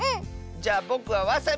じゃあぼくはわさび！